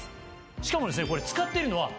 しかもですね。